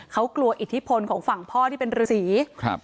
เขากลัวอิทธิพลของฝั่งพ่อที่เป็นฤษีครับ